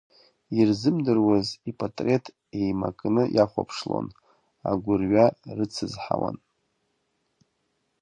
Ирзымдыруаз ипатреҭ еимакны иахәаԥшлон, агәрҩа рыцызҳауан.